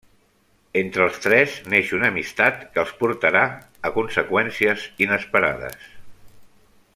Entre els tres neix una amistat que els portarà a conseqüències inesperades.